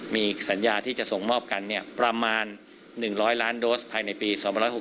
มีสัญญาที่จะส่งมอบกันประมาณ๑๐๐ล้านโดสภายในปี๒๖๖